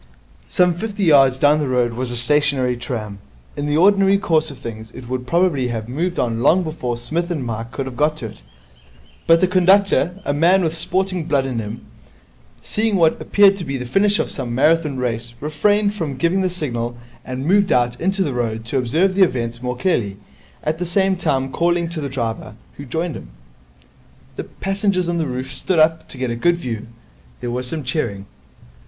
Some fifty yards down the road was a stationary tram. In the ordinary course of things it would probably have moved on long before Psmith and Mike could have got to it; but the conductor, a man with sporting blood in him, seeing what appeared to be the finish of some Marathon Race, refrained from giving the signal, and moved out into the road to observe events more clearly, at the same time calling to the driver, who joined him. Passengers on the roof stood up to get a good view. There was some cheering.